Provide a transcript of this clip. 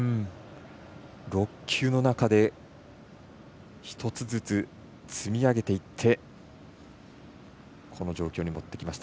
６球の中で１つずつ積み上げていってこの状況に持ってきました。